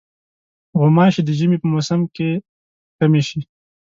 غوماشې د ژمي په موسم کې کمې شي.